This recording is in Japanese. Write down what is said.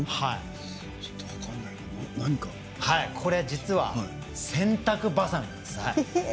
これ実は洗濯バサミなんです。